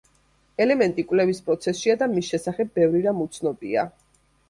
ელემენტი კვლევის პროცესშია და მის შესახებ ბევრი რამ უცნობია.